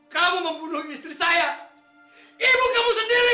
kamu membunuh istri saya ibu kamu sendiri